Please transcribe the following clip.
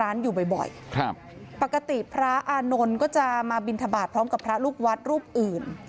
เอารถไปซ่อมที่ร้านอยู่บ่อยครับปกติพระอานนท์ก็จะมาบินทบาทพร้อมกับพระลูกวัดรูปอื่น